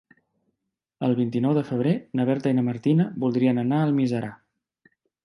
El vint-i-nou de febrer na Berta i na Martina voldrien anar a Almiserà.